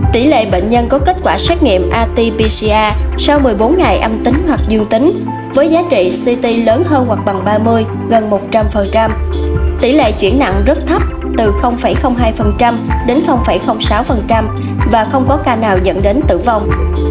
tỷ lệ bệnh nhân có kết quả xét nghiệm rt pcr sau một mươi bốn ngày âm tính hoặc dương tính với giá trị ct lớn hơn hoặc bằng ba mươi gần một trăm linh tỷ lệ chuyển nặng rất thấp từ hai đến sáu và không có ca nào dẫn đến tử vong